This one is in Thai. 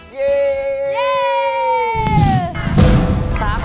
เย่เย่เย่